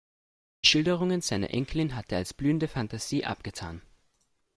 Die Schilderungen seiner Enkelin hatte er als blühende Fantasie abgetan.